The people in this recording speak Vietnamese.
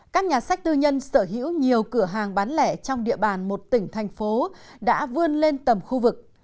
các nhà sách tư nhân sở hữu nhiều cửa hàng bán lẻ trong địa bàn một tỉnh thành phố đã vươn lên tầm khu vực